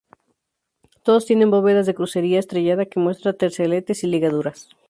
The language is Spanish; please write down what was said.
Todos tienen bóvedas de crucería estrellada que muestra terceletes y ligaduras.